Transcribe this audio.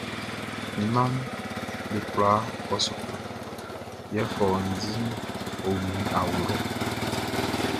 Mi mmaʼm be kwla kɔ suklu, yɛ fɔundi o mi awlo lɔ.